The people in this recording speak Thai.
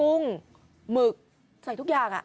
หมึกใส่ทุกอย่าง